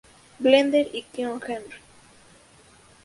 Blender y King Henry.